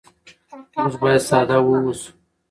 موږ باید ساده واوسو.